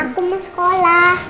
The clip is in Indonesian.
aku mau sekolah